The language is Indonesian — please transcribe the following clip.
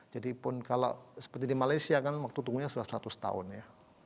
jadi pun kalau seperti di malaysia kan waktu tunggu nya sudah seratus tahun ya